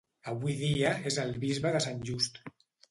Avui dia és el Bisbe de Sant Just.